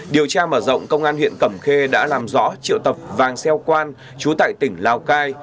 điều tra mở rộng công an huyện cẩm khê đã làm rõ triệu tập vàng xeo quan chú tại tỉnh lào cai